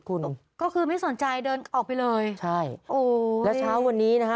คุณก็คือไม่สนใจเดินออกไปเลยใช่โอ้แล้วเช้าวันนี้นะฮะ